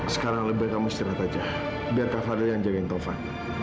sekarang lebih baik kamu istirahat aja biar kak fadil yang jagain tovan